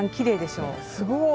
すごい！